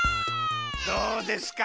どうですか？